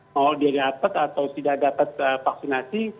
mau didapat atau tidak dapat vaksinasi